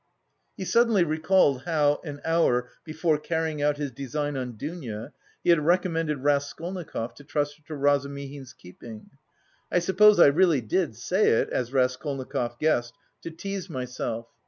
He suddenly recalled how, an hour before carrying out his design on Dounia, he had recommended Raskolnikov to trust her to Razumihin's keeping. "I suppose I really did say it, as Raskolnikov guessed, to tease myself.